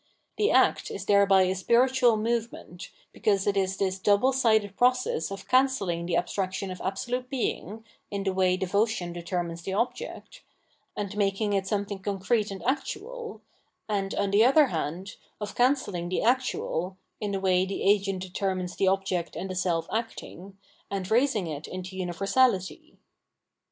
The act is thereby a spiritual movement, because it is this double sided process of cancelhng the abstraction of absolute Being (in the way devotion determines the object), and making it something concrete and actual, and, on the other hand, of cancelling the actual (in the way the agent determines the object and the self acting), and raising it into universality.